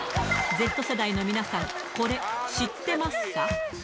Ｚ世代の皆さん、これ知ってますか？